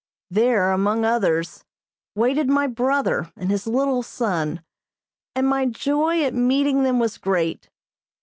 There, among others, waited my brother and his little son, and my joy at meeting them was great.